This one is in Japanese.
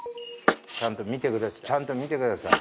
ちゃんと見てください